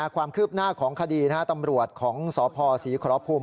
ความคืบหน้าของคดีตำรวจของสพศรีขอรภูมิ